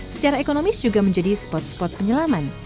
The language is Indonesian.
secara ekonomis juga menjadi spot spot penyelaman